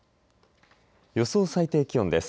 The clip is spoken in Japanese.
予想最低気温です。